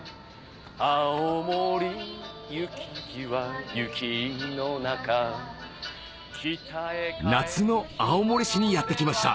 青森駅は雪の中夏の青森市にやって来ました